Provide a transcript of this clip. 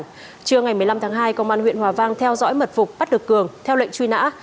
trưa ngày một mươi năm tháng hai công an huyện hòa vang theo dõi mật phục bắt được cường theo lệnh truy nã